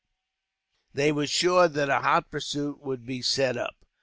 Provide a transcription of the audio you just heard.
They were sure that a hot pursuit would be set up.